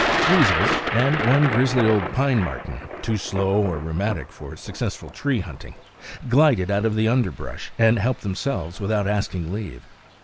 Weasels, and one grizzly old pine marten, too slow or rheumatic for successful tree hunting, glided out of the underbrush and helped themselves without asking leave.